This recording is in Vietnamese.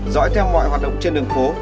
dõi theo mọi hoạt động trên đường phố